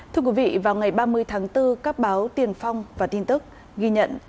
thưa quý vị vào ngày ba mươi tháng bốn các báo tiền phong và tin tức ghi nhận